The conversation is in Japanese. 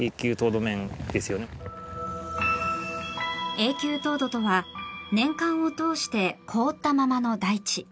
永久凍土とは年間を通して凍ったままの大地。